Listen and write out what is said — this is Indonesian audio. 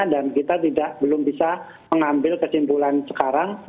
dan kita belum bisa mengambil kesimpulan sekarang